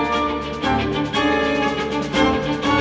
jangan lupa untuk berlangganan